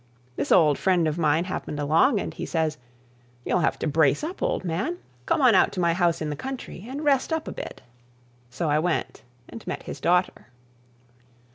This old friend of mine happened along, and he says, 'You'll have to brace up, old man. Come on out to my house in the country and rest up a bit.' So I went, and met his daughter.